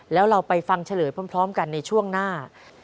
แล้วเราไปฟังเฉลยพร้อมกันในช่วงหน้า